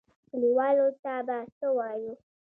کليوالو ته به څه وايو.